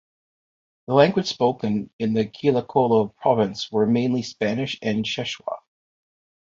The languages spoken in the Quillacollo Province are mainly Spanish and Quechua.